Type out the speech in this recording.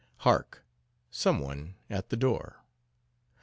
Hark!—someone at the door.